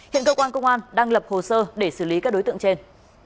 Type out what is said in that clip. hiện cơ quan công an đang lập hồ sơ để xử lý các đối tượng trên